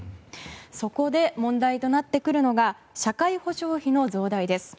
そこで、問題となってくるのが社会保障費の増大です。